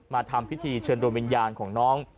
ทำพิธีเชิญดวงวิญญาณของน้อง